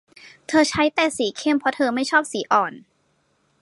เธอใช้แต่สีเข้มเพราะเธอไม่ชอบสีอ่อน